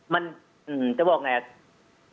มันจะบอกไงอ่ะ